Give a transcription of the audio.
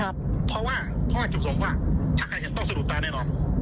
เพราะจุดประสงค์ว่าถ้าใครเห็นต้องสะดดาแน่นอน